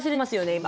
今。